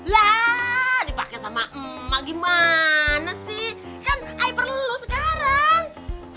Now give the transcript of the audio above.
lah dipake sama emak gimana sih kan ayo perlu sekarang